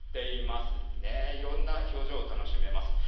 いろんな表情を楽しめます。